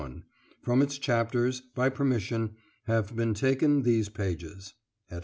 From its chapters, by permission, have been taken these pages. ED.